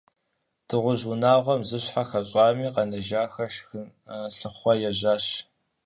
Дыгъужь унагъуэм зы щхьэ хэщӀами, къэнэжахэр шхын лъыхъуэ ежьащ.